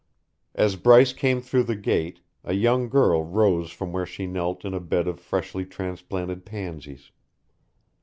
As Bryce came through the gate, a young girl rose from where she knelt in a bed of freshly transplanted pansies.